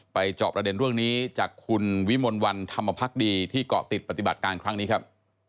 จอบประเด็นเรื่องนี้จากคุณวิมลวันธรรมพักดีที่เกาะติดปฏิบัติการครั้งนี้ครับ